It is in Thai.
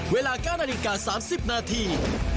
เวลา๙นาฬิกา๓๐นาที